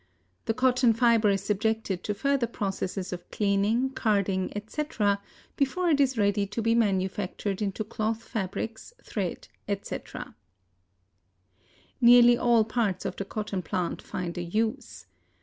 The cotton fiber is subjected to further processes of cleaning, carding, etc., before it is ready to be manufactured into cloth fabrics, thread, etc. Nearly all parts of the cotton plant find a use.